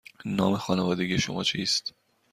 نام خانوادگی شما چیست؟